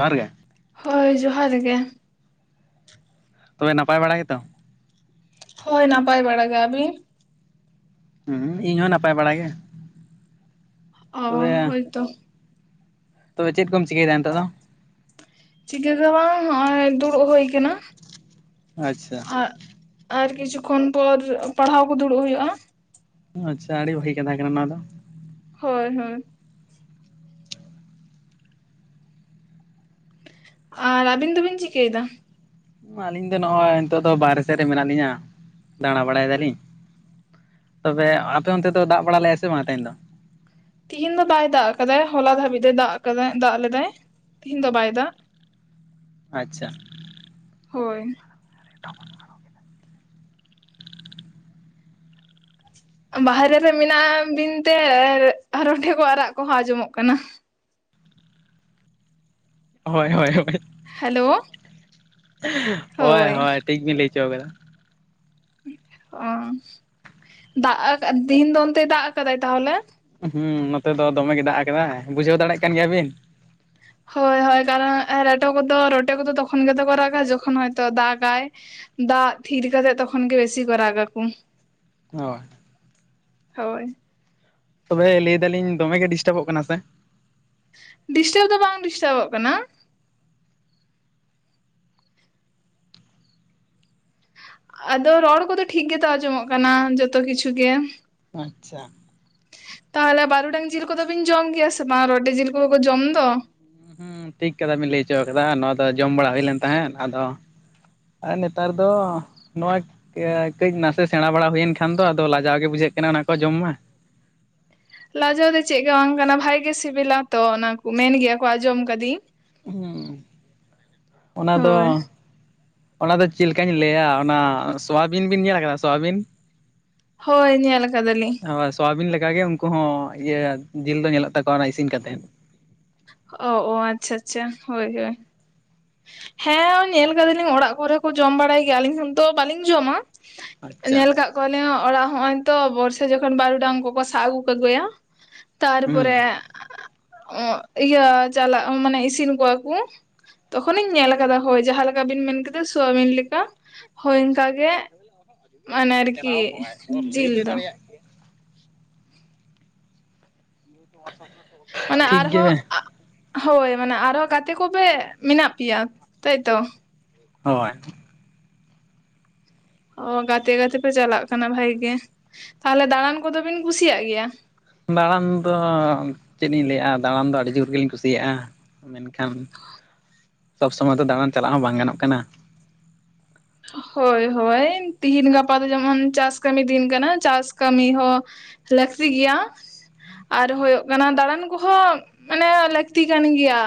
ᱡᱚᱦᱟᱨ ᱜᱮ᱾ ᱦᱳᱭ ᱡᱚᱦᱟᱨ ᱜᱮ᱾ ᱛᱚᱵᱮ ᱱᱟᱯᱟᱭ ᱵᱟᱲᱟ ᱜᱮᱛᱚ? ᱦᱳᱭ ᱱᱟᱯᱟᱭ ᱵᱟᱲᱟ ᱜᱮ ᱟᱹᱵᱤᱱ? ᱦᱩᱸ ᱤᱧ ᱦᱚ ᱱᱟᱯᱟᱭ ᱵᱟᱲᱟ ᱜᱮ ᱚ ᱛᱚᱵᱮ ᱦᱳᱭᱛᱚ ᱛᱚᱵᱮ ᱪᱮᱫ ᱠᱚᱢ ᱪᱤᱠᱟᱹᱭ ᱮᱫᱟ ᱱᱤᱛᱚᱜ ᱫᱚ? ᱪᱤᱠᱟᱹ ᱜᱮ ᱵᱟᱝ ᱦᱚᱜᱼᱚᱭ ᱫᱩᱲᱩᱵ ᱦᱩᱭ ᱠᱟᱱᱟ ᱟᱪᱪᱷᱟ ᱟᱨ ᱟᱨ ᱠᱤᱪᱷᱩ ᱠᱷᱚᱱ ᱯᱚᱨ ᱯᱟᱲᱦᱟᱣ ᱠᱩ ᱫᱩᱲᱩᱵ ᱦᱩᱭᱩᱜᱼᱟ᱾ ᱟᱪᱪᱷᱟ ᱟᱹᱰᱤ ᱵᱷᱟᱜᱤ ᱠᱟᱛᱷᱟ ᱠᱟᱱᱟ ᱱᱚᱣᱟ ᱫᱚ᱾ ᱦᱳᱭᱻ ᱦᱳᱭᱻ᱾ ᱟᱨ ᱟᱵᱤᱱ ᱫᱚᱵᱤᱱ ᱪᱤᱠᱟᱹᱭ ᱫᱟ? ᱟᱞᱤᱧ ᱫᱚ ᱱᱚᱜ-ᱚᱭ ᱱᱤᱛᱚᱜ ᱫᱚ ᱵᱟᱨᱦᱮ ᱥᱮᱫ ᱨᱮ ᱢᱮᱱᱟᱜ ᱞᱤᱧᱟ, ᱫᱟᱬᱟ ᱵᱟᱲᱟᱭ ᱫᱟᱞᱤᱧ᱾ ᱛᱚᱵᱮ ᱟᱯᱮ ᱚᱱᱛᱮ ᱫᱚ ᱫᱟᱜ ᱵᱟᱲᱟ ᱞᱮᱜ-ᱟᱭ ᱥᱮ ᱵᱟᱝ ᱛᱮᱦᱮᱧ ᱫᱚ? ᱛᱤᱦᱤᱧ ᱦᱚ ᱵᱟᱭ ᱫᱟᱜ ᱠᱟᱫᱟ, ᱦᱚᱞᱟ ᱫᱷᱟᱹᱵᱤᱡ ᱫᱚ ᱫᱟᱜ ᱠᱟᱫᱟ ᱫᱟᱜ ᱞᱮᱫᱟᱭ᱾ ᱛᱤᱦᱤᱧ ᱫᱚ ᱵᱟᱭ ᱫᱟ ᱟᱪᱪᱷᱟᱻ᱾ ᱦᱳᱭᱻ᱾ [inaudible] ᱵᱟᱦᱟᱸᱨᱮ ᱨᱮ ᱢᱮᱱᱟᱜ ᱵᱤᱱᱛᱮ ᱟᱨ ᱨᱚᱴᱮ ᱠᱚ ᱨᱟᱜ ᱠᱚᱦᱚ ᱟᱸᱡᱚᱢᱚᱜ ᱠᱟᱱᱟ᱾ ᱦᱳᱭᱻ ᱦᱳᱭᱻ ᱦᱳᱭ ᱳᱭ᱾ ᱦᱮᱞᱳ ᱦᱳᱭᱻ ᱦᱳᱭ ᱦᱳᱭᱻ ᱴᱷᱤᱠ ᱵᱤᱱ ᱞᱟᱹᱭ ᱪᱚ ᱠᱟᱫᱟ᱾ ᱚ ᱫᱟᱜ ᱛᱤᱦᱤᱧ ᱫᱚ ᱚᱱᱛᱮ ᱫᱟᱜ ᱠᱟᱫᱟᱭ ᱛᱟᱦᱚᱞᱮ? ᱦᱩ ᱱᱚᱛᱮ ᱫᱚ ᱫᱚᱢᱮ ᱜᱮ ᱫᱟᱜ ᱠᱟᱫᱟ ᱵᱩᱡᱷᱟᱹᱣ ᱫᱟᱲᱮᱭᱟᱜ ᱠᱟᱱ ᱜᱮᱭᱟ ᱵᱤᱱ? ᱦᱳᱭᱻ ᱦᱳᱭᱻ, ᱠᱟᱨᱚᱱ ᱨᱮᱴᱚ ᱠᱚᱫᱚ ᱨᱚᱴᱮ ᱠᱚᱫᱚ ᱛᱚᱠᱷᱚᱱ ᱜᱮᱛᱚ ᱠᱚ ᱨᱟᱜᱟ ᱡᱚᱠᱷᱚᱱ ᱦᱚᱭᱛᱚ ᱫᱟᱜᱽᱟᱭ᱾ ᱫᱟᱜ ᱛᱷᱤᱨ ᱠᱟᱛᱮ ᱛᱚᱠᱷᱚᱱ ᱜᱮ ᱵᱮᱥᱤ ᱠᱚ ᱨᱟᱜᱟ ᱠᱚ᱾ ᱦᱳᱭᱻ᱾ ᱦᱳᱭᱻ᱾ ᱛᱚᱵᱮ ᱞᱟᱹᱭ ᱫᱟᱞᱤᱧ ᱫᱚᱢᱮᱜ ᱜᱮ ᱰᱤᱥᱴᱟᱵᱚᱜ ᱠᱟᱱᱟ ᱥᱮ? ᱰᱤᱥᱴᱟᱵ ᱫᱚ ᱵᱟᱝ ᱰᱤᱥᱴᱟᱵᱚᱜ ᱠᱟᱱᱟ᱾ ᱟᱫᱚ ᱨᱚᱲ ᱠᱚᱫᱚ ᱴᱷᱤᱠ ᱜᱮᱛᱚ ᱟᱸᱡᱚᱢᱚᱜ ᱠᱟᱱᱟ, ᱡᱚᱛᱚ ᱠᱤᱪᱷᱩ ᱜᱮ᱾ ᱟᱪᱪᱷᱟ᱾ ᱛᱟᱦᱚᱞᱮ ᱵᱟᱨᱰᱟᱝ ᱡᱤᱞ ᱠᱚᱫᱚ ᱵᱤᱱ ᱡᱚᱢ ᱜᱮᱭᱟ ᱥᱮ ᱵᱟᱝ? ᱨᱚᱴᱮ ᱡᱤᱞ ᱠᱚᱫᱚ ᱠᱚ ᱡᱚᱢ ᱫᱚ᱾ ᱦᱩ ᱴᱷᱤᱠ ᱠᱟᱛᱷᱟ ᱵᱤᱱ ᱞᱟᱹᱭ ᱦᱚᱪᱚ ᱠᱟᱫᱟ᱾ ᱱᱚᱣᱟ ᱫᱚ ᱡᱚᱢ ᱵᱟᱲᱟ ᱦᱩᱭ ᱞᱮᱱ ᱛᱟᱦᱮᱸᱫ, ᱟᱫᱚ ᱟᱨ ᱱᱮᱛᱟᱨ ᱫᱚ ᱱᱚᱣᱟ ᱠᱟᱹᱡ ᱱᱟᱥᱮ ᱥᱮᱬᱟ ᱵᱟᱲᱟ ᱦᱩᱭᱮᱱ ᱠᱷᱟᱱ ᱫᱚ ᱟᱫᱚ ᱞᱟᱡᱟᱣ ᱜᱮ ᱵᱩᱡᱷᱟᱹᱜ ᱠᱟᱱᱟ, ᱚᱱᱟ ᱠᱚ ᱡᱚᱢ ᱢᱟ᱾ ᱞᱟᱡᱟᱣ ᱫᱚ ᱪᱮᱫ ᱜᱮ ᱵᱟᱝ ᱠᱟᱱᱟ᱾ ᱵᱷᱟᱜᱤ ᱜᱮ ᱥᱤᱵᱤᱞᱟ ᱛᱚ ᱚᱱᱟ ᱠᱚ ᱢᱮᱱ ᱜᱮᱭᱟ ᱠᱚ ᱟᱸᱡᱚᱢ ᱠᱟᱹᱫᱤᱧ᱾ ᱦᱮᱸ ᱚᱱᱟ ᱫᱚ ᱦᱳᱭ ᱚᱱᱟ ᱫᱚ ᱪᱮᱫ ᱞᱮᱠᱟᱧ ᱞᱟᱹᱭᱟ, ᱚᱱᱟ ᱥᱳᱣᱟᱵᱤᱱ ᱵᱤᱱ ᱧᱮᱞ ᱠᱟᱫᱟ, ᱥᱳᱣᱟᱵᱤᱱ? ᱦᱳᱭ ᱧᱮᱞ ᱠᱟᱫᱟ ᱞᱤᱧ᱾ ᱦᱚ ᱥᱳᱣᱟᱵᱤᱱ ᱞᱮᱠᱟ ᱜᱮ ᱩᱱᱠᱩ ᱦᱚᱸ ᱤᱭᱟᱹ ᱡᱤᱞ ᱫᱚ ᱧᱮᱞᱚᱜ ᱛᱟᱠᱚᱣᱟ ᱚᱱᱟ ᱤᱥᱤᱱ ᱠᱟᱛᱮᱫ᱾ ᱚ ᱚ ᱟᱪᱪᱷᱟ ᱟᱪᱪᱷᱟ ᱦᱳᱭ ᱦᱳᱭ ᱦᱮᱸ ᱧᱮᱞ ᱠᱟᱫᱟᱞᱤᱧ ᱚᱲᱟᱜ ᱠᱚᱨᱮ ᱠᱚ ᱡᱚᱢ ᱵᱟᱲᱟᱭ ᱜᱮᱭᱟ ᱟᱹᱞᱤᱧ ᱦᱚᱸᱫᱚ ᱵᱟᱹᱞᱤᱧ ᱡᱚᱢᱟ ᱟᱪᱪᱷᱟ ᱧᱮᱞ ᱠᱟᱜ ᱠᱚᱣᱟᱞᱤᱧ ᱚᱲᱟᱜ ᱦᱚᱸᱜᱼᱚᱭ ᱛᱚ ᱵᱚᱨᱥᱟ ᱡᱚᱠᱷᱚᱱ ᱵᱟᱨᱩᱰᱟᱝ ᱠᱚᱠᱚ ᱥᱟᱵ ᱟᱹᱜᱩ ᱠᱚᱜᱮᱭᱟ ᱛᱟᱨᱯᱚᱨᱮ ᱦᱩᱸ ᱤᱭᱟᱹ ᱪᱟᱞᱟᱜ ᱢᱟᱱᱮ ᱤᱥᱤᱱ ᱠᱚᱣᱟ ᱠᱚ᱾ ᱛᱚᱠᱷᱚᱱᱤᱧ ᱧᱮᱞ ᱠᱟᱫᱟ᱾ ᱦᱳᱭ ᱡᱟᱦᱟᱸ ᱞᱮᱠᱟ ᱵᱤᱱ ᱢᱮᱱ ᱠᱮᱫᱟ, ᱥᱩᱟᱹᱵᱤᱱ ᱞᱮᱠᱟ ᱦᱳᱭ ᱤᱱᱠᱟ ᱜᱮ᱾ ᱢᱟᱱᱮ ᱟᱨᱠᱤ ᱡᱤᱞ ᱫᱚ᱾ [unintelligible] ᱢᱟᱱᱮ ᱟᱨᱦᱚ ᱜᱮᱭᱟ ᱟᱜ ᱦᱳᱭ ᱢᱟᱱᱮ ᱟᱨᱦᱚᱸ ᱜᱟᱛᱮ ᱠᱚᱜᱮ ᱢᱮᱱᱟᱜ ᱯᱮᱭᱟ ᱛᱟᱭᱛᱚ? ᱦᱚᱭ᱾ ᱚ ᱜᱟᱛᱮ ᱜᱟᱛᱮ ᱯᱮ ᱪᱟᱞᱟᱜ ᱠᱟᱱᱟ ᱵᱷᱟᱜᱮ ᱜᱮ, ᱛᱟᱦᱚᱞᱮ ᱫᱟᱬᱟᱱ ᱠᱚᱫᱚ ᱵᱤᱱ ᱠᱩᱥᱤᱭᱟᱜ ᱜᱮᱭᱟ? ᱫᱟᱬᱟᱱ ᱫᱚ ᱪᱮᱫ ᱤᱧ ᱞᱟᱹᱭᱼᱟ ᱫᱟᱬᱟᱱ ᱫᱚ ᱟᱹᱰᱤ ᱡᱳᱨ ᱜᱮᱞᱤᱧ ᱠᱩᱥᱤᱭᱟᱜᱼᱟ ᱢᱮᱱᱠᱷᱟᱱ ᱥᱚᱵᱽ ᱥᱚᱢᱚᱭ ᱫᱚ ᱫᱟᱬᱟᱱ ᱪᱟᱞᱟᱜ ᱦᱚᱸ ᱵᱟᱝ ᱜᱟᱱᱚᱜ ᱠᱟᱱᱟ ᱦᱳᱭ ᱦᱳᱭ ᱛᱤᱦᱤᱧ ᱜᱟᱯᱟ ᱫᱚ ᱡᱮᱢᱚᱱ ᱪᱟᱥ ᱠᱟᱹᱢᱤ ᱫᱤᱱ ᱠᱟᱱᱟ ᱪᱟᱥ ᱠᱟᱹᱢᱤ ᱦᱚᱸ ᱞᱟᱹᱠᱛᱤ ᱜᱮᱭᱟ ᱟᱨ ᱦᱩᱭᱩᱜᱳᱜ ᱠᱟᱱᱟ ᱫᱟᱬᱟᱱ ᱠᱚᱦᱚᱸ ᱢᱟᱱᱮ ᱞᱟᱹᱠᱛᱤ ᱠᱟᱱ ᱜᱮᱭᱟ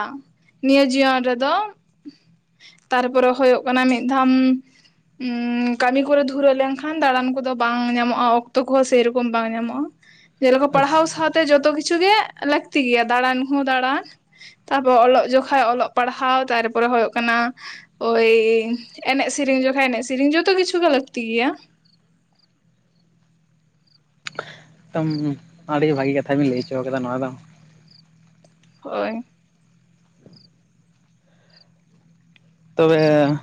ᱱᱤᱭᱟᱹ ᱡᱤᱭᱚᱱ ᱨᱮᱫᱚ ᱛᱟᱨᱯᱚᱨᱮ ᱦᱩᱭᱩᱜ ᱠᱟᱱᱟ ᱢᱤᱫ ᱫᱷᱟᱣ ᱠᱟᱹᱢᱤ ᱠᱚᱨᱮ ᱫᱷᱩᱨᱟᱹ ᱞᱮᱱᱠᱷᱟᱱ ᱫᱟᱬᱟᱱ ᱠᱚᱫᱚ ᱵᱟᱝ ᱧᱟᱢᱚᱜᱼᱟ ᱚᱠᱛᱚ ᱠᱚᱦᱚᱸ ᱥᱮᱨᱚᱠᱚᱢ ᱵᱟᱝ ᱧᱟᱢᱚᱜᱼᱟ ᱡᱮᱞᱮᱠᱟ ᱯᱟᱲᱦᱟᱣ ᱮᱠᱫᱚᱢ ᱥᱟᱶᱛᱮ ᱡᱚᱛᱚ ᱠᱤᱪᱷᱩ ᱜᱮ ᱞᱟᱹᱠᱛᱤ ᱜᱮᱭᱟ ᱫᱟᱬᱟᱱ ᱦᱚᱸ ᱫᱟᱬᱟᱱ ᱛᱟᱯᱚᱨ ᱚᱞᱚᱜ ᱡᱠᱷᱚᱱ ᱚᱞᱚᱜ ᱯᱟᱲᱦᱟᱣ ᱛᱟᱨᱯᱚᱨᱮ ᱦᱩᱭᱩᱜ ᱠᱟᱱᱟ ᱳᱭ ᱮᱱᱮᱡ ᱥᱮᱨᱮᱧ ᱡᱠᱷᱚᱱ ᱮᱱᱮᱡ ᱥᱮᱨᱮᱧ ᱡᱚᱛᱚ ᱠᱤᱪᱷᱩ ᱜᱮ ᱞᱟᱹᱠᱛᱤ ᱜᱮᱭᱟ ᱛᱟᱢ ᱟᱹᱰᱤ ᱵᱷᱟᱹᱜᱤ ᱠᱟᱛᱷᱟ ᱵᱮᱱ ᱞᱟᱹᱭ ᱪᱚᱣ ᱠᱟᱫᱟ ᱱᱚᱣᱟ ᱫᱚ ᱦᱳᱭ ᱛᱚᱵᱮ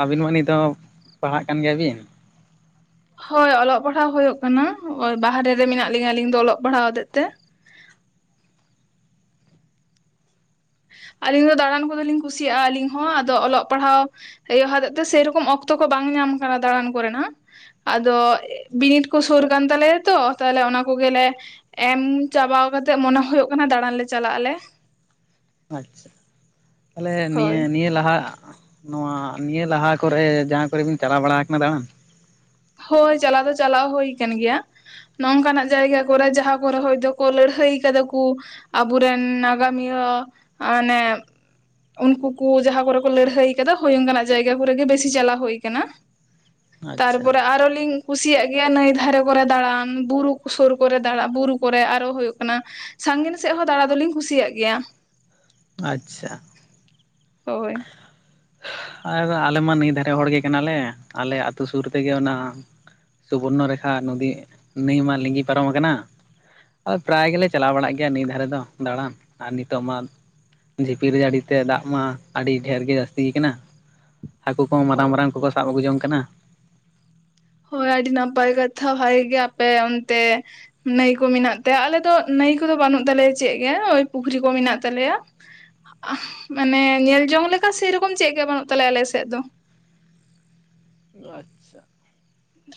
ᱟᱹᱵᱤᱱ ᱢᱟ ᱱᱤᱛᱚᱜ ᱯᱟᱲᱦᱟᱜ ᱠᱟᱱ ᱜᱮᱭᱟᱵᱤᱱ ᱦᱳᱭ ᱚᱞᱚᱜ ᱯᱟᱲᱦᱟᱣ ᱦᱩᱭᱩᱭᱳᱜ ᱠᱟᱱᱟ ᱵᱟᱦᱨᱮ ᱨᱮ ᱢᱮᱱᱟᱜ ᱞᱤᱧᱟᱹ ᱟᱹᱞᱤᱧ ᱫᱚ ᱚᱞᱚᱜ ᱯᱟᱲᱦᱟᱣ ᱦᱚᱛᱮᱜ ᱛᱮ ᱟᱹᱞᱤᱧ ᱫᱚ ᱫᱟᱬᱟᱱ ᱠᱚᱫᱚ ᱞᱤᱧ ᱠᱩᱥᱤᱭᱟᱜᱼᱟ ᱟᱹᱞᱤᱧ ᱦᱚᱸ ᱟᱫᱚ ᱚᱞᱚᱜ ᱯᱟᱲᱦᱟᱣ ᱤᱭᱟᱹ ᱦᱚᱛᱮᱫ ᱛᱮ ᱥᱮᱨᱚᱠᱚᱢ ᱚᱠᱛᱚ ᱠᱚ ᱵᱟᱝ ᱧᱟᱢ ᱠᱟᱱᱟ ᱫᱟᱬᱟᱱ ᱠᱚᱨᱮᱱᱟᱜ ᱟᱫᱚ ᱵᱤᱱᱤᱰ ᱠᱚ ᱥᱩᱨ ᱠᱟᱱ ᱛᱟᱞᱮᱭᱟ ᱛᱚ ᱛᱟᱦᱞᱮ ᱚᱱᱟ ᱠᱚᱜᱮᱞᱮ ᱮᱢ ᱪᱟᱵᱟ ᱠᱟᱛᱮᱜ ᱢᱚᱱᱮ ᱦᱩᱭᱩᱜ ᱠᱟᱱᱟ ᱫᱟᱬᱟᱱ ᱞᱮ ᱪᱟᱞᱟᱜ ᱟᱞᱮ ᱟᱪᱪᱷᱟ ᱛᱟᱦᱚᱞᱮ ᱦᱳᱭ ᱱᱤᱭᱟᱹ ᱱᱤᱭᱟᱹ ᱞᱟᱦᱟ ᱱᱚᱣᱟ ᱱᱤᱭᱟᱹ ᱞᱟᱦᱟ ᱠᱚᱨᱮ ᱡᱟᱦᱟᱸ ᱠᱚᱨᱮᱵᱤᱱ ᱪᱟᱞᱟᱣ ᱵᱟᱲᱟ ᱟᱠᱟᱱᱟ ᱫᱟᱬᱟᱱ ᱦᱳᱭ ᱪᱟᱞᱟᱣ ᱫᱚ ᱪᱟᱞᱟᱣ ᱦᱩᱭ ᱟᱠᱟᱱ ᱜᱮᱭᱟ ᱱᱚᱝᱠᱟᱱᱟᱜ ᱡᱟᱭᱜᱟ ᱠᱚᱨᱮ ᱡᱟᱦᱟᱸ ᱠᱚᱨᱮ ᱦᱚᱭᱛᱳ ᱠᱚ ᱞᱟᱹᱲᱦᱟᱹᱭ ᱠᱟᱫᱟ ᱠᱚ ᱟᱵᱚᱨᱮᱱ ᱱᱟᱜᱟᱢᱤᱭᱟᱹ ᱢᱟᱱᱮ ᱩᱱᱠᱩ ᱠᱚ ᱡᱟᱦᱟᱸ ᱠᱚᱨᱮ ᱠᱚ ᱞᱟᱹᱲᱦᱟᱹᱭ ᱟᱠᱟᱫᱟ ᱦᱳᱭ ᱚᱱᱠᱟᱱᱟᱜ ᱡᱟᱭᱜᱟ ᱠᱚᱨᱮ ᱜᱮ ᱵᱮᱥᱤ ᱪᱟᱞᱟᱣ ᱦᱩᱭ ᱟᱠᱟᱱᱟ ᱟᱪᱪᱷᱟ ᱟᱨᱚ ᱞᱤᱧ ᱠᱩᱥᱤᱭᱟᱜ ᱜᱮᱭᱟ ᱱᱟᱹᱭ ᱫᱷᱟᱨᱮ ᱠᱚᱨᱮ ᱫᱟᱬᱟᱱ ᱵᱩᱨᱩ ᱥᱩᱨ ᱠᱚᱨᱮ ᱫᱟᱬᱟᱱ ᱵᱩᱨᱩ ᱠᱚᱨᱮ ᱟᱨᱚ ᱦᱩᱭᱩᱜ ᱠᱟᱱᱟ ᱥᱟᱺᱜᱤᱧ ᱥᱮᱫ ᱦᱚᱸ ᱫᱟᱬᱟ ᱫᱚᱞᱤᱧ ᱠᱩᱥᱤᱭᱟᱜ ᱜᱮᱭᱟ ᱟᱪᱪᱷᱟ ᱦᱳᱭ ᱟᱞᱮ ᱢᱟ ᱱᱟᱹᱭ ᱫᱷᱟᱨᱮ ᱦᱚᱲ ᱜᱮ ᱠᱟᱱᱟᱞᱮ ᱟᱞᱮ ᱟᱹᱛᱩ ᱥᱩᱨ ᱛᱮᱜᱮ ᱚᱱᱟ ᱥᱩᱵᱚᱨᱱᱚ ᱨᱮᱠᱷᱟ ᱱᱚᱫᱤ ᱱᱟᱹᱭ ᱢᱟ ᱞᱤᱸᱜᱤ ᱯᱟᱨᱚᱢ ᱟᱠᱟᱱᱟ ᱯᱨᱟᱭ ᱜᱮᱞᱮ ᱪᱟᱞᱟᱣ ᱵᱟᱲᱟᱜ ᱜᱮᱭᱟ ᱱᱟᱹᱭ ᱫᱷᱟᱨᱮ ᱫᱚ ᱫᱟᱬᱟᱱ ᱟᱨ ᱱᱤᱛᱚᱜ ᱢᱟ ᱡᱷᱤᱯᱤᱨ ᱡᱟᱹᱲᱤ ᱛᱮ ᱫᱟᱜ ᱢᱟ ᱟᱹᱰᱤ ᱰᱷᱮᱨ ᱜᱮ ᱡᱟᱹᱥᱛᱤ ᱟᱠᱟᱱᱟ ᱦᱟᱹᱠᱩ ᱠᱚᱦᱚᱸ ᱢᱟᱨᱟᱝ ᱦᱳᱭ ᱢᱟᱨᱟᱝ ᱠᱚᱠᱚ ᱥᱟᱵ ᱟᱹᱜᱩ ᱡᱚᱝ ᱠᱟᱱᱟ ᱦᱳᱭ ᱟᱹᱰᱤ ᱱᱟᱯᱟᱭ ᱠᱟᱛᱷᱟ ᱵᱷᱟᱜᱤ ᱜᱮ ᱟᱯᱮ ᱚᱱᱛᱮ ᱱᱟᱹᱭ ᱠᱚ ᱢᱮᱱᱟᱜ ᱛᱮ ᱟᱞᱮ ᱫᱚ ᱱᱟᱹᱭ ᱠᱚᱫᱚ ᱵᱟᱹᱱᱩᱜ ᱛᱟᱞᱮᱭᱟ ᱪᱮᱫ ᱜᱮ ᱳᱭ ᱯᱩᱠᱷᱨᱤ ᱠᱚ ᱢᱮᱱᱟᱜ ᱛᱟᱞᱮᱭᱟ ᱢᱟᱱᱮ ᱧᱮᱞ ᱡᱚᱝ ᱞᱮᱠᱟ ᱥᱮᱨᱚᱠᱚᱢ ᱪᱮᱫ ᱜᱮ ᱵᱟᱹᱱᱩᱜ ᱛᱟᱞᱮᱭᱟ ᱟᱞᱮᱥᱮᱫ ᱫᱚ ᱟᱪᱪᱷᱟ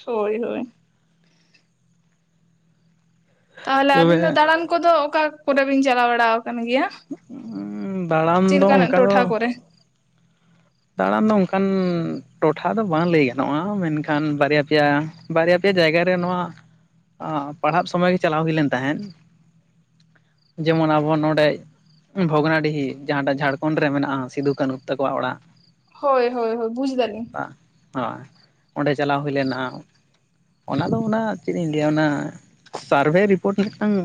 ᱦᱳᱭ ᱦᱳᱭ ᱛᱟᱦᱚᱞᱮ ᱛᱚᱵᱮ ᱟᱵᱤᱱ ᱫᱚ ᱫᱟᱬᱟᱱ ᱠᱚᱫᱚ ᱚᱠᱟ ᱠᱚᱨᱮ ᱵᱤᱱ ᱪᱟᱞᱟᱣ ᱵᱟᱲᱟ ᱟᱠᱟᱱ ᱜᱮᱭᱟ? ᱫᱟᱬᱟᱱ ᱪᱮᱫ ᱫᱚ ᱞᱮᱠᱟᱱᱟᱜ ᱚᱱᱠᱟ ᱫᱚ ᱴᱚᱴᱷᱟ ᱠᱚᱨᱮ? ᱫᱟᱬᱟᱱ ᱫᱚ ᱚᱱᱠᱟᱱ ᱴᱚᱴᱷᱟ ᱫᱚ ᱵᱟᱝ ᱞᱟᱹᱭ ᱜᱟᱱᱚᱜᱼᱟ ᱢᱮᱱᱠᱷᱟᱱ ᱵᱟᱨᱭᱟ ᱯᱮᱭᱟ ᱵᱟᱨᱭᱟ ᱯᱮᱭᱟ ᱡᱟᱭᱜᱟ ᱨᱮ ᱱᱚᱣᱟ ᱯᱟᱲᱦᱟᱜ ᱥᱚᱢᱚᱭ ᱜᱮ ᱪᱟᱞᱟᱣ ᱦᱩᱭ ᱞᱮᱱ ᱛᱟᱦᱮᱸᱫ ᱡᱮᱢᱚᱱ ᱟᱵᱚ ᱱᱚᱰᱮ ᱵᱷᱚᱜᱽᱱᱟᱰᱤᱦᱤ ᱡᱟᱦᱟᱸᱴᱟᱜ ᱡᱷᱟᱲᱠᱷᱚᱸᱰ ᱨᱮ ᱢᱮᱱᱟᱜᱼᱟ ᱥᱤᱫᱩ ᱠᱟᱹᱱᱦᱩ ᱛᱟᱠᱚᱣᱟᱜ ᱚᱲᱟᱜ ᱦᱳᱭ ᱦᱳᱭ ᱦᱳᱭ ᱵᱩᱡ ᱫᱟᱹᱞᱤᱧ ᱦᱳᱭ ᱚᱸᱰᱮ ᱪᱟᱞᱟᱣ ᱦᱩᱭ ᱞᱮᱱᱟ ᱚᱱᱟᱫᱚ ᱚᱱᱟ ᱪᱮᱫ ᱤᱧ ᱞᱟᱹᱭᱟ ᱚᱱᱟ ᱥᱟᱨᱵᱷᱮ ᱨᱤᱯᱳᱨᱴ ᱢᱤᱫᱴᱟᱝ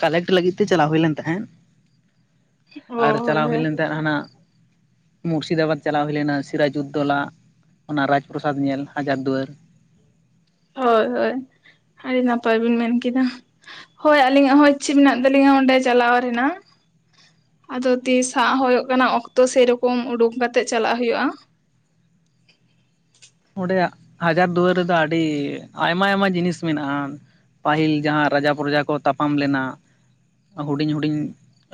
ᱠᱟᱞᱮᱠᱴ ᱞᱟᱹᱜᱤᱫ ᱛᱮ ᱪᱟᱞᱟᱣ ᱦᱳᱭ ᱞᱮᱱ ᱛᱟᱦᱮᱸᱫ [unintelligible] ᱟᱨ ᱪᱟᱞᱟᱣ ᱦᱳᱭ ᱞᱮᱱ ᱛᱟᱦᱮᱸ ᱦᱟᱱᱟ ᱢᱩᱨᱥᱤᱫᱟᱵᱟᱫᱽ ᱪᱟᱞᱟᱣ ᱦᱳᱭ ᱞᱮᱱᱟ ᱥᱤᱨᱟᱡᱩᱫᱽᱫᱳᱞᱟ ᱚᱱᱟ ᱨᱟᱡᱽ ᱯᱨᱚᱥᱟᱫᱽ ᱧᱮᱞ ᱦᱟᱡᱟᱨ ᱫᱩᱣᱟᱹᱨ ᱦᱳᱭ ᱦᱳᱭ ᱟᱹᱰᱤ ᱱᱟᱯᱟᱭ ᱵᱤᱱ ᱢᱮᱱ ᱠᱮᱫᱟ᱾ ᱦᱳᱭ ᱟᱹᱞᱤᱧᱟᱜ ᱦᱚᱸ ᱤᱪᱪᱷᱟ ᱢᱮᱱᱟᱜ ᱛᱟᱹᱞᱤᱧᱟ ᱚᱸᱰᱮ ᱪᱟᱞᱟᱣ ᱨᱮᱱᱟᱜ ᱟᱫᱚ ᱛᱤᱥ ᱦᱟᱸᱜ ᱦᱳᱭᱳᱜ ᱠᱟᱱᱟ ᱚᱠᱛᱚ ᱥᱮᱨᱚᱠᱚᱢ ᱩᱰᱩᱠ ᱠᱟᱛᱮᱜ ᱪᱟᱞᱟᱜ ᱦᱳᱭᱳᱜᱼᱟ᱾ ᱚᱸᱰᱮ ᱦᱟᱡᱟᱨ ᱫᱩᱣᱟᱹᱨ ᱨᱮᱫᱚ ᱟᱹᱰᱤ ᱟᱭᱢᱟ ᱟᱭᱢᱟ ᱡᱤᱱᱤᱥ ᱢᱮᱱᱟᱜᱼᱟ᱾ ᱯᱟᱹᱦᱤᱞ ᱡᱟᱦᱟᱸ ᱨᱟᱡᱟ ᱯᱨᱚᱡᱟ ᱠᱚ ᱛᱟᱯᱟᱢ ᱞᱮᱱᱟ᱾ ᱦᱩᱰᱤᱧ ᱦᱩᱰᱤᱧ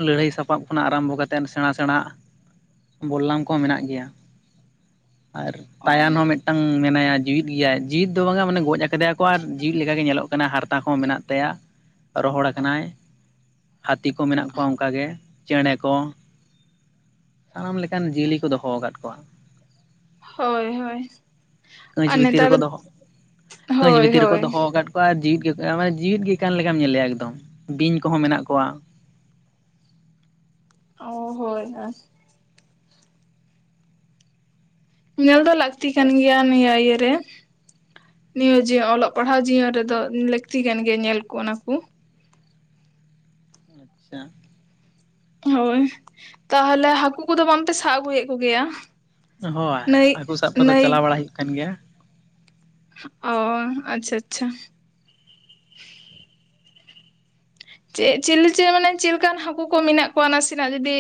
ᱞᱟᱹᱲᱦᱟᱹᱭ ᱥᱟᱯᱟᱵ ᱠᱷᱚᱱᱟᱜ ᱟᱨᱟᱢᱵᱚ ᱠᱟᱛᱮᱱ ᱥᱮᱬᱟ ᱥᱮᱬᱟ ᱵᱚᱞᱞᱟᱢ ᱠᱚᱦᱚᱸ ᱢᱮᱱᱟᱜ ᱜᱮᱭᱟ ᱟᱨ ᱚ ᱛᱟᱭᱟᱱ ᱦᱚᱸ ᱢᱤᱫ- ᱢᱤᱫᱴᱟᱝ ᱢᱮᱱᱟᱭᱟ ᱡᱤᱣᱤᱫ ᱜᱮᱭᱟᱭ, ᱡᱤᱣᱤᱫ ᱫᱚ ᱵᱟᱝᱟ ᱢᱟᱱᱮ ᱜᱚᱡ ᱠᱟᱫᱮᱭᱟᱠᱚ ᱟᱨ ᱡᱤᱣᱤᱫ ᱞᱮᱠᱟᱜᱮ ᱧᱮᱞᱚᱜ ᱠᱟᱱᱟ, ᱦᱟᱨᱛᱟ ᱦᱚᱸ ᱢᱮᱱᱟᱜ ᱛᱟᱭᱟ᱾ ᱨᱚᱦᱚᱲ ᱠᱟᱱᱟᱭ ᱦᱟᱹᱛᱤ ᱠᱚ ᱢᱮᱱᱟᱜ ᱠᱚᱣᱟ ᱚᱱᱠᱟᱜᱮ ᱪᱮᱸᱬᱮ ᱠᱚ᱾ ᱥᱟᱱᱟᱢ ᱞᱮᱠᱟᱱ ᱡᱤᱭᱟᱹᱞᱤ ᱠᱚ ᱫᱚᱦᱚ ᱠᱟᱫ ᱠᱚᱣᱟ ᱦᱳᱭ ᱦᱳᱭ ᱠᱟᱹᱪ ᱟᱨ ᱵᱷᱤᱛᱤᱨ ᱱᱮᱛᱟᱨ ᱨᱮᱠᱚ ᱫᱚᱦᱚ, ᱠᱟᱹᱪ ᱦᱳᱭ ᱵᱷᱤᱛᱤᱨ ᱨᱮᱠᱚ ᱦᱳᱭ ᱫᱚᱦᱚ ᱠᱟᱫ ᱡᱤᱣᱤᱫ ᱜᱮ ᱡᱤᱣᱤᱫ ᱜᱮ ᱠᱟᱱ ᱞᱮᱠᱟᱢ ᱧᱮᱞᱮᱭᱟ ᱮᱠᱫᱚᱢ ᱵᱤᱧ ᱠᱚᱦᱚᱸ ᱢᱮᱱᱟᱜ ᱠᱚᱣᱟ᱾ ᱚ ᱦᱳᱭ ᱟᱨ ᱧᱮᱞ ᱫᱚ ᱞᱟᱹᱠᱛᱤ ᱠᱟᱱ ᱜᱮᱭᱟ ᱱᱤᱭᱟᱹ ᱤᱭᱟᱹ ᱨᱮ ᱱᱤᱭᱟᱹ ᱡᱮ ᱚᱞᱚᱜ ᱯᱟᱲᱦᱟᱣ ᱡᱤᱭᱚᱱ ᱨᱮᱫᱚ ᱞᱟᱹᱠᱛᱤ ᱠᱟᱱ ᱜᱮᱭᱟ ᱧᱮᱞ ᱠᱚ ᱚᱱᱟ ᱠᱚ᱾ ᱦᱮᱸ ᱦᱳᱭ ᱛᱟᱦᱚᱞᱮ ᱦᱟᱹᱠᱩ ᱠᱚᱫᱚ ᱵᱟᱝᱛᱮ ᱥᱟᱵ ᱟᱹᱜᱩᱭᱮᱫ ᱠᱚᱜᱮᱭᱟ? ᱦᱳᱭ ᱱᱟᱹᱭ ᱦᱟᱹᱠᱩ ᱥᱟᱵ ᱠᱚᱫᱚ ᱱᱟᱹᱭ ᱪᱟᱞᱟᱣ ᱵᱟᱲᱟ ᱦᱩᱭᱩᱜ ᱠᱟᱱ ᱜᱮᱭᱟ᱾ ᱚ ᱟᱪᱪᱷᱟ ᱟᱪᱪᱷᱟ ᱪᱮᱫ ᱪᱤᱞᱤ ᱢᱟᱱᱮ ᱪᱮᱫ ᱞᱮᱠᱟᱱ ᱦᱟᱹᱠᱩ ᱠᱚ ᱢᱮᱱᱟᱜ ᱠᱚᱣᱟ ᱱᱟᱥᱮᱱᱟᱜ ᱡᱩᱫᱤ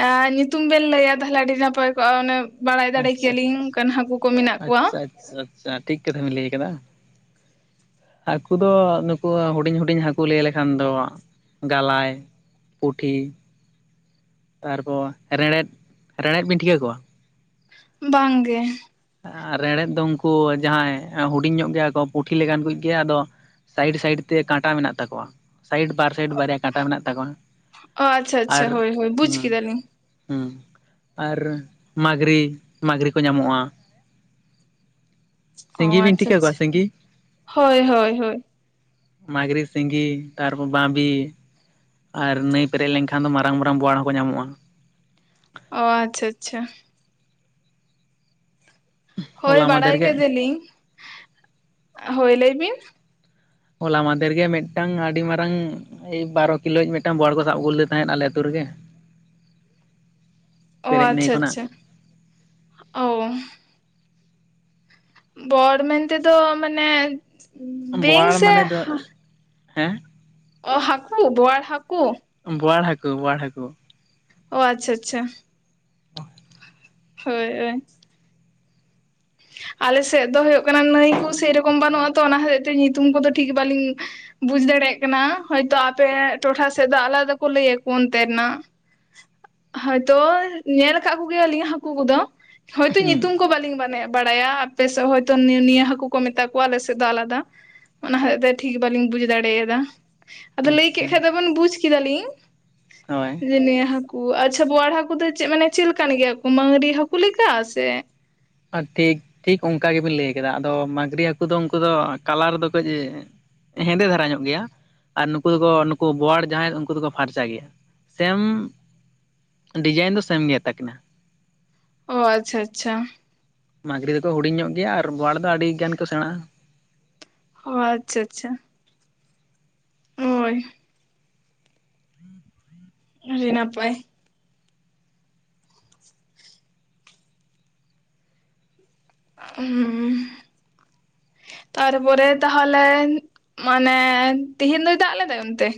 ᱮ ᱧᱩᱛᱩᱢ ᱵᱮᱱ ᱞᱟᱹᱭᱟ ᱛᱟᱦᱞᱮ ᱟᱹᱰᱤ ᱱᱟᱯᱟᱭ ᱠᱚᱜᱼᱟ, ᱚᱱᱮ ᱵᱟᱲᱟᱭ ᱫᱟᱲᱮ ᱟᱪᱪᱷᱟ ᱠᱮᱭᱟᱞᱤᱧ ᱚᱱᱠᱟᱱ ᱦᱟᱹᱠᱩ ᱠᱚ ᱢᱮᱱᱟᱜ ᱠᱚᱣᱟ᱾ ᱟᱪᱪᱷᱟ ᱟᱪᱪᱷᱟ ᱴᱷᱤᱠ ᱠᱟᱛᱷᱟ ᱵᱤᱱ ᱞᱮ ᱠᱟᱫᱟ᱾ ᱦᱟᱹᱠᱩ ᱫᱚ ᱱᱩᱠᱩ ᱦᱩᱰᱤᱧ ᱦᱩᱰᱤᱧ ᱦᱟᱹᱠᱩ ᱞᱮ ᱞᱮᱠᱷᱟᱱ ᱫᱚ ᱜᱟᱞᱟᱭ ᱯᱩᱴᱷᱤ ᱛᱟᱨᱯᱚᱨ ᱨᱮᱲᱮᱫ ᱨᱮᱲᱮᱫ ᱵᱤᱱ ᱴᱷᱤᱠᱟᱹ ᱠᱚᱣᱟ᱾ ᱵᱟᱝ ᱜᱮ ᱨᱮᱲᱮᱫ ᱫᱚ ᱩᱱᱠᱩ ᱡᱟᱦᱟᱸᱭ ᱦᱩᱰᱤᱧ ᱧᱚᱜ ᱜᱮᱭᱟ ᱠᱚ ᱯᱩᱴᱷᱤ ᱞᱮᱠᱟᱱ ᱠᱩᱭᱤᱡ ᱜᱮ ᱟᱫᱚ ᱥᱟᱭᱤᱰ ᱥᱟᱭᱤᱰ ᱛᱮ ᱠᱟᱸᱴᱟ ᱢᱮᱱᱟᱜ ᱛᱟᱠᱚᱣᱟ᱾ ᱥᱟᱭᱤᱴ ᱵᱟᱨ ᱥᱟᱭᱤᱰ ᱵᱟᱨᱭᱟ ᱠᱟᱴᱟ ᱢᱮᱱᱟᱜ ᱛᱟᱠᱚᱣᱟ ᱚ ᱟᱪᱪᱷᱟ ᱟᱪᱪᱷᱟ ᱟᱨ ᱦᱳᱭ ᱦᱳᱭ ᱵᱩᱡᱽ ᱠᱮᱫᱟᱞᱤᱧ ᱦᱩ ᱟᱨ ᱢᱟᱜᱽᱨᱤ, ᱢᱟᱜᱽᱨᱤ ᱠᱚ ᱧᱟᱢᱚᱜᱼᱟ ᱚ ᱥᱤᱸᱜᱤ ᱵᱤᱱ ᱟᱪᱪᱷᱟ ᱴᱷᱤᱠᱟᱹ ᱠᱚᱣᱟ ᱟᱪᱪᱷᱟ ᱥᱤᱸᱜᱤ ᱦᱳᱭ ᱦᱳᱭ ᱦᱳᱭ ᱢᱟᱜᱽᱨᱤ, ᱥᱤᱸᱜᱤ, ᱛᱟᱨᱯᱚᱨ ᱵᱟᱹᱫᱤ ᱟᱨ ᱱᱟᱹᱭ ᱯᱮᱨᱮᱡ ᱞᱮᱱᱠᱷᱟᱱ ᱫᱚ ᱢᱟᱨᱟᱝ ᱢᱟᱨᱟᱝ ᱵᱚᱣᱟᱲ ᱦᱚᱸᱠᱚ ᱧᱟᱢᱚᱜᱼᱟ᱾ ᱚ ᱟᱪᱪᱷᱟ ᱟᱪᱪᱷᱟ ᱦᱳᱭ ᱦᱚᱞᱟ ᱵᱟᱲᱟᱭ ᱢᱟᱫᱷᱮᱨ ᱜᱮ ᱠᱮᱫᱟᱞᱤᱧ ᱦᱳᱭ ᱞᱟᱹᱭ ᱵᱤᱱ ᱦᱚᱞᱟ ᱢᱟᱫᱷᱮᱨ ᱜᱮ ᱢᱤᱫᱴᱟᱝ ᱟᱹᱰᱤ ᱢᱟᱨᱟᱝ ᱮᱭ ᱵᱟᱨᱚ ᱠᱤᱞᱳ ᱤᱡ ᱢᱤᱫᱴᱟᱝ ᱵᱚᱣᱟᱲ ᱠᱚ ᱥᱟᱵᱽ ᱟᱹᱜᱩ ᱞᱮᱫᱮ ᱛᱟᱦᱮᱸᱫ ᱟᱞᱮ ᱟᱛᱩ ᱨᱮᱜᱮ ᱚ ᱯᱮᱨᱮᱡ ᱱᱟᱹᱭ ᱟᱪᱪᱷᱟ ᱠᱷᱚᱱᱟᱜ ᱟᱪᱪᱷᱟ ᱚ ᱵᱚᱣᱟᱲ ᱢᱮᱱᱛᱮ ᱫᱚ ᱢᱟᱱᱮ ᱵᱤᱧ ᱵᱳᱣᱟᱲ ᱥᱮ ᱢᱟᱱᱮ ᱫᱚ ᱦᱟ ᱦᱟ ᱦᱮᱸ ᱚ ᱦᱟᱹᱠᱩ ᱵᱚᱣᱟᱲ ᱦᱟᱹᱠᱩ ᱵᱳᱣᱟᱲ ᱦᱟᱹᱠᱩ ᱵᱳᱣᱟᱲ ᱦᱟᱹᱠᱩ ᱚ ᱟᱪᱪᱷᱟ ᱟᱪᱪᱷᱟ [inaudible] ᱦᱳᱭ ᱦᱳᱭ ᱟᱞᱮ ᱥᱮᱫ ᱫᱚ ᱦᱩᱭᱩᱜ ᱠᱟᱱᱟ, ᱱᱟᱹᱭ ᱠᱚ ᱥᱮᱨᱚᱠᱚᱢ ᱵᱟᱹᱱᱩᱜᱼᱟ ᱛᱚ, ᱚᱱᱟ ᱦᱚᱛᱮᱡ ᱛᱮ ᱧᱩᱛᱩᱢ ᱠᱚᱫᱚ ᱴᱷᱤᱠ ᱵᱟᱹᱞᱤᱧ ᱵᱩᱡ ᱫᱟᱲᱮᱭᱟᱜ ᱠᱟᱱᱟ ᱦᱚᱳᱭ ᱛᱳ ᱟᱯᱮ ᱴᱚᱴᱷᱟ ᱥᱮᱫ ᱫᱚ ᱟᱞᱟᱫᱟ ᱠᱚ ᱞᱟᱹ ᱭ ᱟᱠᱚ ᱚᱱᱛᱮ ᱱᱟᱜ ᱦᱚᱭᱛᱚ ᱧᱮᱞ ᱠᱟᱜ ᱠᱚᱜᱮᱭᱟ ᱞᱤᱧ ᱦᱟᱹᱠᱩ ᱠᱚᱫᱚ ᱦᱳᱭᱛᱳ ᱧᱩᱛᱩᱢ ᱠᱚ ᱵᱟᱹᱞᱤᱧ ᱵᱟᱲᱟᱭᱟ ᱟᱯᱮ ᱥᱮᱫ ᱦᱚᱭᱛᱳ ᱱᱤᱭᱟᱹ ᱱᱤᱭᱟᱹ ᱦᱟᱹᱠᱩ ᱠᱚ ᱢᱮᱛᱟ ᱠᱚᱣᱟ ᱟᱞᱮ ᱥᱮᱫ ᱫᱚ ᱟᱞᱟᱫᱟ ᱚᱱᱟ ᱦᱚᱛᱮᱫ ᱛᱮ ᱴᱷᱤᱠ ᱵᱟᱞᱤᱧ ᱵᱩᱡ ᱫᱟᱲᱮᱭᱟᱫᱟ᱾ ᱟᱫᱚ ᱞᱟᱹᱭ ᱠᱮᱜ ᱟᱪᱪᱷᱟ ᱠᱷᱟᱡ ᱫᱚᱵᱚᱱ ᱵᱩᱡ ᱠᱮᱫᱟᱞᱤᱧ ᱦᱳᱭ ᱡᱮ ᱱᱤᱭᱟᱹ ᱦᱟᱠ ᱟᱪᱪᱷᱟ ᱵᱚᱣᱟᱲ ᱦᱟᱹᱠᱩ ᱫᱚ ᱪᱮ ᱢᱟᱱᱮ ᱪᱮᱞ ᱞᱮᱠᱟᱱ ᱜᱮᱭᱟ ᱠᱚ ᱢᱟᱹᱜᱨᱤ ᱦᱟᱹᱠᱩ ᱞᱮᱠᱟ ᱥᱮ ᱟᱨ ᱛᱤᱠ ᱴᱷᱤᱠ ᱚᱱᱠᱟ ᱜᱮᱵᱤᱱ ᱞᱟᱹᱭ ᱠᱮᱫᱟ ᱟᱫᱚ ᱢᱟᱹᱝᱜᱨᱤ ᱦᱟᱹᱠᱩ ᱫᱚ ᱩᱱᱠᱩ ᱫᱚ ᱠᱟᱞᱟᱨ ᱫᱚ ᱠᱟᱹᱡᱽ ᱦᱮᱸᱫᱮ ᱫᱷᱟᱨᱟ ᱧᱚᱜ ᱜᱮᱭᱟ ᱟᱨ ᱱᱩᱠᱩ ᱫᱚᱠᱚ ᱱᱩᱠᱩ ᱵᱚᱣᱟᱲ ᱡᱟᱦᱟᱸᱭ ᱩᱱᱠᱩ ᱫᱚᱠᱚ ᱯᱷᱟᱨᱪᱟ ᱜᱮᱭᱟ᱾ ᱥᱮᱢ ᱰᱤᱡᱟᱭᱤᱱ ᱫᱚ ᱥᱮᱢ ᱜᱮ ᱛᱟᱹᱠᱤᱱᱟ ᱚ ᱟᱪᱪᱷᱟ ᱟᱪᱪᱷᱟ ᱢᱟᱹᱜᱨᱤ ᱫᱚᱠᱚ ᱦᱩᱰᱤᱧ ᱧᱚᱜ ᱜᱮᱭᱟ ᱟᱨ ᱵᱟᱣᱟᱲ ᱫᱚ ᱟᱹᱰᱤ ᱜᱟᱱ ᱠᱚ ᱥᱮᱬᱟᱼᱦᱟ ᱚ ᱟᱪᱪᱷᱟ ᱟᱪᱪᱷᱟ ᱦᱳᱭ ᱟᱹᱰᱤ ᱱᱟᱯᱟᱭ ᱦᱩᱸ ᱛᱟᱨᱯᱚᱨᱮ ᱛᱟᱦᱚᱞᱮ ᱢᱟᱱᱮ ᱛᱤᱦᱤᱧ ᱫᱚᱭ ᱫᱟᱜᱽ ᱞᱮᱫᱟᱭ ᱚᱱᱛᱮ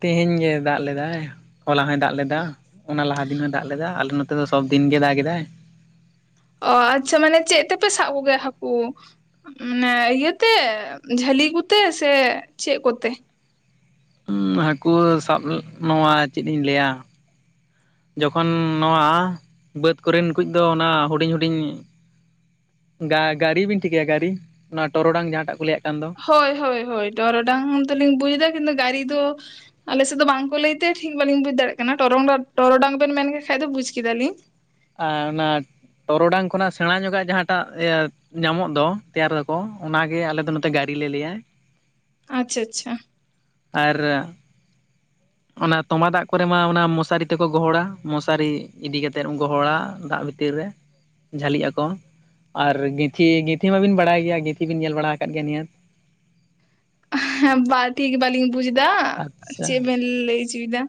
ᱛᱮᱦᱮᱧ ᱜᱮ ᱫᱟᱜᱽ ᱞᱮᱫᱟᱭ ᱦᱚᱞᱟ ᱦᱚᱭ ᱫᱟᱜᱽ ᱞᱮᱫᱟ ᱚᱱᱟ ᱞᱟᱦᱟ ᱫᱤᱱ ᱦᱚᱭ ᱫᱟᱜᱽ ᱞᱮᱫᱟ ᱟᱞᱮ ᱱᱚᱛᱮ ᱫᱚ ᱥᱚᱵᱫᱤᱱ ᱜᱮ ᱫᱟᱜᱽ ᱮᱫᱟᱭ ᱚ ᱟᱪᱪᱷᱟ ᱢᱟᱱᱮ ᱪᱮᱫ ᱛᱮᱯᱮ ᱥᱟᱵᱽ ᱠᱚᱜᱮᱭᱟ ᱦᱟᱹᱠᱩ ᱢᱟᱱᱮ ᱤᱭᱟᱹᱛᱮ ᱡᱷᱟᱹᱞᱤ ᱠᱚᱛᱮ ᱥᱮ ᱪᱮᱫ ᱠᱚᱛᱮ ᱦᱟᱹᱠᱩ ᱥᱟᱵᱽ ᱱᱚᱣᱟ ᱪᱮᱫ ᱤᱧ ᱞᱟᱹᱭᱟ ᱡᱚᱠᱷᱚᱱ ᱱᱚᱣᱟ ᱵᱟᱹᱫᱽ ᱠᱚᱨᱮᱱ ᱠᱩ ᱫᱚ ᱚᱱᱟ ᱦᱩᱰᱤᱧ ᱦᱩᱰᱤᱧ ᱜᱟᱹᱨᱤ ᱵᱤᱱ ᱴᱷᱤᱠᱟᱹᱭᱟ ᱜᱟᱹᱨᱤ ᱚᱱᱟ ᱴᱚᱨᱚᱰᱟᱝ ᱡᱟᱦᱟᱸᱴᱟᱜ ᱠᱚ ᱞᱟᱹᱭᱟᱜ ᱠᱟᱱ ᱫᱚ ᱦᱳᱭ ᱦᱳᱭ ᱦᱳᱭ ᱴᱚᱨᱚᱰᱟᱝ ᱫᱚ ᱞᱤᱧ ᱵᱩᱡᱽ ᱫᱟ ᱠᱤᱱᱛᱩ ᱜᱟᱹᱨᱤ ᱫᱚ ᱟᱞᱮ ᱥᱮᱫ ᱫᱚ ᱵᱟᱝᱠᱚ ᱞᱟᱹᱭᱛᱮ ᱴᱷᱤᱠ ᱵᱟᱹᱞᱤᱧ ᱵᱩᱡ ᱫᱟᱲᱮᱭᱟᱜ ᱠᱟᱱᱟ ᱴᱚᱨᱚᱝ ᱴᱚᱨᱚᱰᱟᱝ ᱵᱮᱱ ᱢᱮᱱ ᱠᱷᱟᱡᱽ ᱞᱤᱧ ᱵᱩᱡᱽ ᱠᱮᱫᱟᱞᱤᱧ᱾ ᱟᱨ ᱚᱱᱟ ᱴᱚᱨᱚᱰᱟᱝ ᱠᱷᱚᱱᱟᱜ ᱥᱮᱬᱟ ᱧᱚᱜᱟᱜ ᱡᱟᱦᱟᱸᱴᱟᱜ ᱤᱭᱟᱹ ᱧᱟᱢᱚᱜ ᱫᱚ ᱛᱮᱭᱟᱨ ᱫᱟᱠᱚ ᱚᱱᱟᱜᱮ ᱟᱞᱮ ᱫᱚ ᱱᱚᱛᱮ ᱜᱟᱹᱨᱤᱞᱮ ᱞᱟᱹᱭᱟ᱾ ᱟᱪᱪᱷᱟ ᱟᱪᱪᱷᱟ ᱟᱨ ᱚᱱᱟ ᱛᱚᱢᱟ ᱫᱟᱜᱽ ᱠᱚᱨᱮ ᱢᱟ ᱚᱱᱟ ᱢᱚᱥᱟᱨᱤ ᱛᱮᱠᱚ ᱜᱚᱦᱚᱲᱟ ᱢᱚᱥᱟᱨᱤ ᱤᱫᱤ ᱠᱟᱛᱮᱫ ᱩᱱ ᱜᱚᱦᱚᱲᱟ ᱫᱟᱜᱽ ᱵᱷᱤᱛᱤᱨ ᱨᱮ ᱡᱷᱟᱹᱞᱤᱜ ᱟᱠᱚ ᱟᱨ ᱜᱤᱛᱷᱤ ᱜᱤᱛᱷᱤ ᱢᱟᱵᱤᱱ ᱵᱟᱲᱟᱭ ᱜᱮᱭᱟ ᱜᱤᱛᱷᱤ ᱵᱤᱱ ᱧᱮᱞ ᱵᱟᱲᱟ ᱟᱠᱟᱫ ᱜᱮᱭᱟ ᱱᱤᱦᱟᱹᱛ ᱦᱮᱸ ᱵᱟ ᱴᱷᱤᱠ ᱵᱟᱞᱤᱧ ᱵᱩᱡᱽ ᱫᱟ ᱟᱪᱪᱷᱟ ᱪᱮᱫ ᱵᱮᱱ ᱞᱟᱹᱭ ᱪᱚᱭᱮᱫᱟ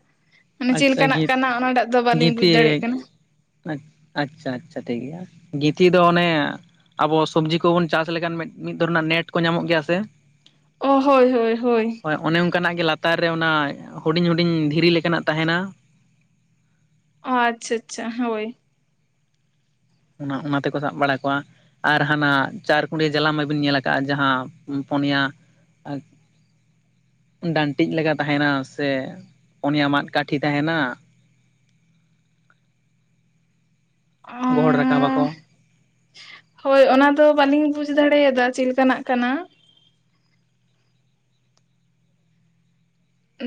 ᱢᱟᱱᱮ ᱪᱮ ᱟᱪᱪᱷᱟ ᱞᱮᱠᱟᱱᱟᱜ ᱜᱤᱛ ᱠᱟᱱᱟ ᱚᱱᱟᱴᱟᱜ ᱫᱚ ᱵᱟᱹᱞᱤᱧ ᱵᱩᱡᱽ ᱜᱤᱛᱷᱤ ᱫᱟᱲᱮᱭᱟᱜ ᱠᱟᱱᱟ᱾ ᱟᱪᱪᱷᱟ ᱟᱪᱪᱷᱟ ᱴᱷᱤᱠ ᱜᱮᱭᱟ ᱜᱤᱛᱷᱤ ᱫᱚ ᱚᱱᱮ ᱟᱵᱚ ᱥᱚᱵᱡᱤ ᱠᱚᱵᱩᱱ ᱪᱟᱥ ᱞᱮᱠᱷᱟᱱ ᱢᱤᱫ ᱫᱷᱚᱨ ᱨᱮᱱᱟᱜ ᱱᱮᱴ ᱠᱚ ᱧᱟᱢᱚᱜ ᱜᱮᱭᱟ ᱥᱮ ᱚ ᱦᱳᱭ ᱦᱳᱭ ᱦᱳᱭ ᱦᱳᱭ ᱚᱱᱮ ᱚᱱᱠᱟᱱᱟᱜ ᱜᱮ ᱞᱟᱛᱟᱨ ᱨᱮ ᱚᱱᱟ ᱦᱩᱰᱤᱧ ᱦᱩᱰᱤᱧ ᱫᱷᱤᱨᱤ ᱞᱮᱠᱟᱱᱟᱜ ᱛᱟᱦᱮᱱᱟ᱾ ᱚ ᱟᱪᱪᱷᱟ ᱟᱪᱪᱷᱟ ᱦᱳᱭ ᱚᱱᱟ ᱚᱱᱟ ᱛᱮᱠᱚ ᱥᱟᱵᱽ ᱵᱟᱲᱟ ᱠᱚᱣᱟ ᱟᱨ ᱦᱟᱱᱟ ᱪᱟᱨᱠᱩᱲᱤ ᱡᱟᱞᱟᱢ ᱢᱟᱵᱤᱱ ᱧᱮᱞ ᱟᱠᱟᱫᱴᱜᱼᱟ ᱡᱟᱦᱟᱸ ᱯᱚᱱᱭᱟ ᱟᱪ ᱰᱟᱹᱱᱴᱤᱡ ᱞᱮᱠᱟ ᱛᱟᱦᱮᱱᱟ ᱥᱮ ᱯᱩᱱᱭᱟ ᱢᱟᱫ ᱠᱟᱴᱷᱤ ᱛᱟᱦᱮᱱᱟ᱾ ᱜᱚᱦᱚᱲ ᱨᱟᱠᱟᱵ ᱟᱠᱚ ᱦᱳᱭ ᱚᱱᱟ ᱫᱚ ᱵᱟᱹᱞᱤᱧ ᱵᱩᱡᱽ ᱫᱟᱲᱮᱭᱟᱫᱟ ᱪᱮᱫ ᱞᱮᱠᱟᱱᱟᱜ ᱠᱟᱱᱟ᱾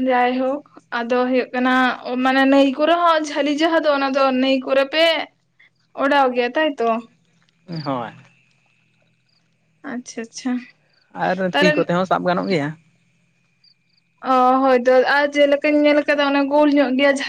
ᱡᱟᱭ ᱦᱳᱠ ᱟᱫᱚ ᱦᱩᱭᱩᱜ ᱠᱟᱱᱟ ᱢᱟᱱᱮ ᱱᱟᱹᱭ ᱠᱚᱨᱮ ᱦᱚᱸ ᱡᱷᱟᱹᱞᱤ ᱡᱟᱦᱟᱸ ᱫᱚ ᱚᱱᱟ ᱫᱚ ᱱᱟᱹᱭ ᱠᱚᱨᱮ ᱯᱮ ᱚᱰᱟᱣ ᱜᱮ ᱛᱟᱭᱛᱚ ᱦᱳᱭ ᱟᱪᱪᱷᱟ ᱟᱪᱪᱷᱟ ᱟᱨ ᱛᱤ ᱛᱟᱦᱚᱞᱮ ᱠᱚᱛᱮ ᱦᱚᱸ ᱥᱟᱵ ᱜᱟᱱᱚᱜ ᱜᱮᱭᱟ᱾ ᱚ ᱦᱳᱭᱛᱚ ᱟᱨ ᱡᱮᱞᱮᱠᱟᱧ ᱧᱮᱞ ᱠᱟᱫᱟ ᱚᱱᱟ ᱜᱳᱞ ᱧᱚᱜ ᱜᱮᱭᱟ, ᱡᱷᱟᱞ